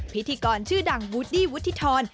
พิธีกรชื่อดังวูดดี้วุฒิธร